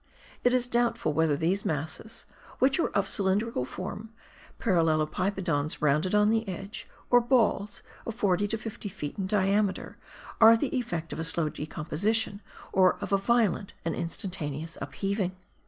It is doubtful whether these masses, which are of cylindrical form, parallelopipedons rounded on the edge, or balls of 40 to 50 feet in diameter, are the effect of a slow decomposition, or of a violent and instantaneous upheaving.